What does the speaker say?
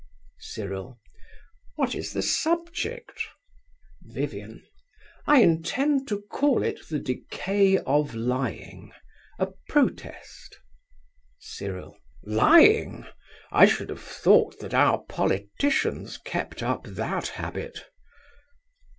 CYRIL. What is the subject? VIVIAN. I intend to call it 'The Decay of Lying: A Protest.' CYRIL. Lying! I should have thought that our politicians kept up that habit.